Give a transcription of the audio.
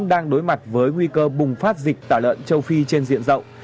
đang đối mặt với nguy cơ bùng phát dịch tả lợn châu phi trên diện rộng